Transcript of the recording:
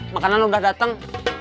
makanan udah dateng